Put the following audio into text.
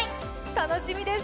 楽しみです！